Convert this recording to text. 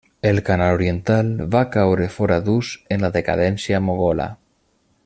El Canal oriental va caure fora d'ús en la decadència mogola.